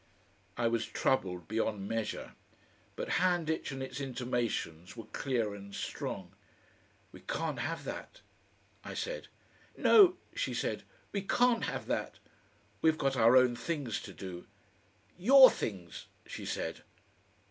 I was troubled beyond measure, but Handitch and its intimations were clear and strong. "We can't have that," I said. "No," she said, "we can't have that." "We've got our own things to do." "YOUR things," she said.